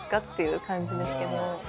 っていう感じですけど。